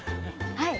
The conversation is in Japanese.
はい。